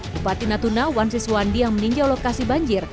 bupati natuna wansiswandi yang meninjau lokasi banjir